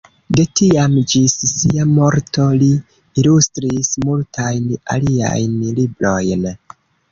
De tiam ĝis sia morto li ilustris multajn aliajn librojn.